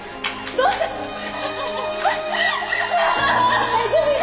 大丈夫よ！